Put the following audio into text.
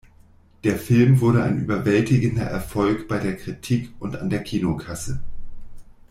Der Film wurde ein überwältigender Erfolg bei der Kritik und an der Kinokasse.